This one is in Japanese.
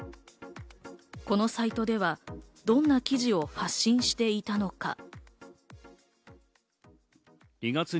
このサイトではどんな記事を発信していたのか？